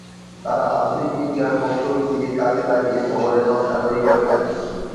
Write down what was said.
তারা আধুনিক বিজ্ঞান ও প্রযুক্তিকে কাজে লাগিয়ে ভবনের নকশা তৈরি করে থাকেন।